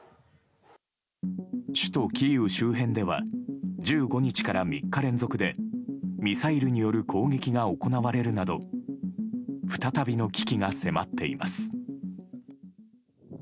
首都キーウ周辺では１５日から３日連続でミサイルによる攻撃が行われるなど再びの危機が迫っています。